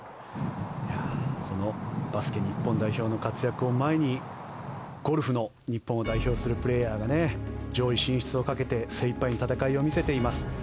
そのバスケ日本代表の活躍を前にゴルフの日本を代表するプレーヤーが上位進出をかけて精いっぱいの戦いを見せています。